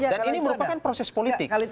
dan ini merupakan proses politik